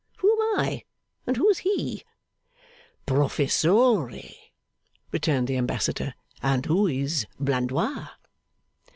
Who am I, and who is he?' 'Professore,' returned the ambassador, 'and who is Blandois?